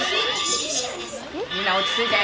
みんな落ち着いて。